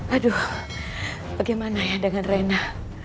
aduh bagaimana ya dengan renah